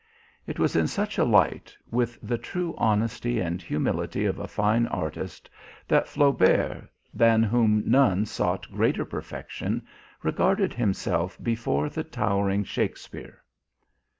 It was in such a light, with the true honesty and humility of a fine artist, that Flaubert, than whom none sought greater perfection, regarded himself before the towering Shakespeare.